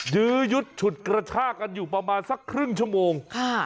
ยื้อยุดฉุดกระชากันอยู่ประมาณสักครึ่งชั่วโมง